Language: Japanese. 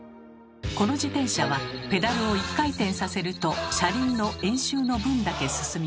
この自転車はペダルを１回転させると車輪の円周の分だけ進みます。